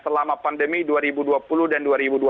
selama pandemi dua ribu dua puluh dan dua ribu dua puluh